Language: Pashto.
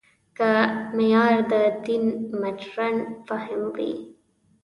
که معیار د دین مډرن فهم وي.